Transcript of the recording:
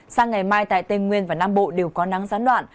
sang ngày mai tại tây nguyên và nam bộ đều có nắng gián đoạn